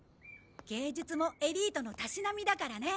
芸術もエリートのたしなみだからね。